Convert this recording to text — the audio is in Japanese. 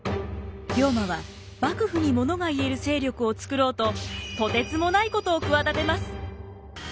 龍馬は幕府にものが言える勢力を作ろうととてつもないことを企てます！